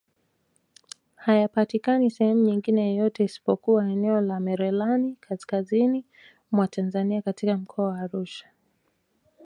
Hayapatikani sehemu nyingine yoyote isipokuwa eneo la Merelani Kaskazini mwa Tanzania katika mkoani Arusha